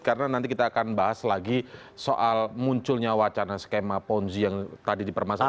karena nanti kita akan bahas lagi soal munculnya wacana skema ponzi yang tadi dipermasakan